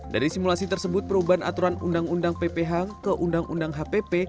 dari simulasi tersebut perubahan aturan undang undang pph ke undang undang hpp